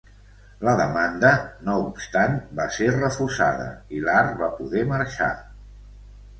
La demanda, no obstant, va ser refusada i Lahr va poder marxar.